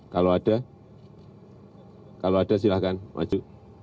kalau ada kalau ada silahkan maju